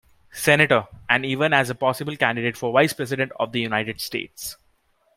Senator, and even as a possible candidate for Vice President of the United States.